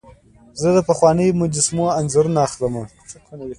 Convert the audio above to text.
زه د پخوانیو مجسمو انځورونه اخلم.